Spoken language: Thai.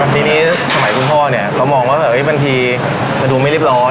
ทีนี้สมัยคุณพ่อเนี่ยเขามองว่าบางทีมันดูไม่เรียบร้อย